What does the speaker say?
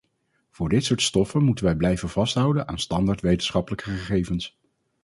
Voor dit soort stoffen moeten wij blijven vasthouden aan standaard wetenschappelijke gegevens.